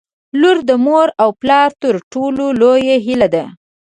• لور د مور او پلار تر ټولو لویه هیله ده.